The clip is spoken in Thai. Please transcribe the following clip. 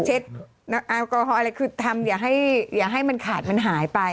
แอลกอฮอล์อะไรคือทำอย่าให้มันขาดมันหายไป